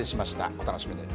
お楽しみに。